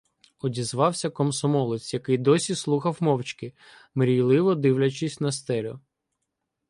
Одізвався комсомолець, який досі слухав мовчки, мрійливо дивлячись на стелю: